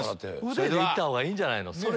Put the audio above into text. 腕でいった方がいいんじゃないの？